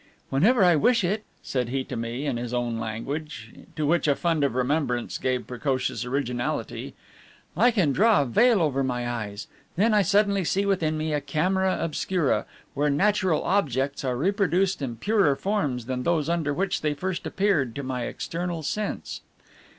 "Whenever I wish it," said he to me in his own language, to which a fund of remembrance gave precocious originality, "I can draw a veil over my eyes. Then I suddenly see within me a camera obscura, where natural objects are reproduced in purer forms than those under which they first appeared to my external sense."